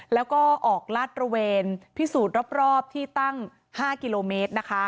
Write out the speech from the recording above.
แล้วก็ออกลาดระเวนพิสูจน์รอบที่ตั้ง๕กิโลเมตรนะคะ